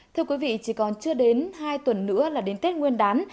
thưa quý vị chỉ còn chưa đến hai tuần nữa là đến tết nguyên đán